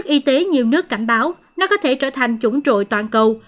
y tế nhiều nước cảnh báo nó có thể trở thành chủng toàn cầu